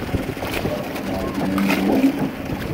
Tɣelqem ɣef yiman-nwen.